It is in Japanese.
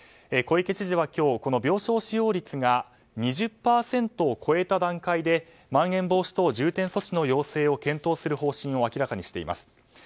小池知事は今日、病床使用率が２０％を超えた段階でまん延防止等重点措置の要請を検討する方針を明らかにしています。